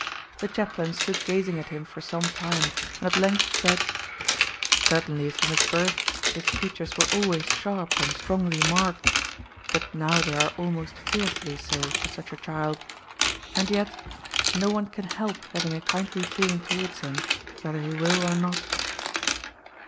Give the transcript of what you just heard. The chaplain stood gazing at him for some time, and at length said: "Certainly from his birth his features were always sharp and strongly marked, but now they are almost fearfully so for such a child; and yet no one can help having a kindly feeling towards him, whether he will or not."